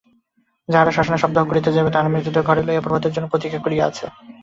যাহারা শ্মশানে শবদাহ করিতে যাইবে তাহারা মৃতদেহ ঘরে লইয়া প্রভাতের জন্য প্রতীক্ষা করিয়া আছে।